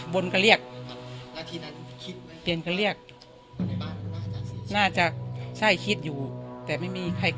วนค่ะเรียก